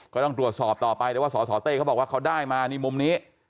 ก็ต้องตรวจสอบต่อไปแต่ว่าสสเต้เขาบอกว่าเขาได้มานี่มุมนี้